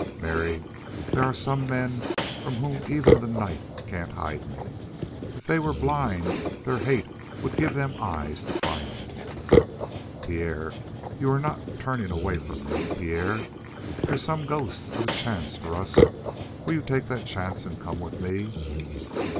"Mary, there are some men from whom even the night can't hide me. If they were blind their hate would give them eyes to find me." "Pierre, you are not turning away from me Pierre There's some ghost of a chance for us. Will you take that chance and come with me?"